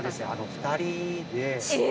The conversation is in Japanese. ２人で。